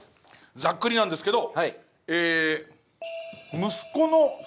ざっくりなんですけど。